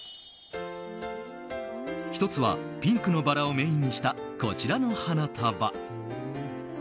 １つは、ピンクのバラをメインにしたこちらの花束。